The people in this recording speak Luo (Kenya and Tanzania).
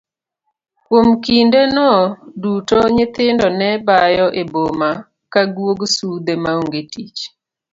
Kuom kinde no duto nyithindo nebayo e boma ka guog sudhe maonge tich.